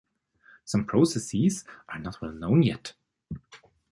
Some processes are not well known yet.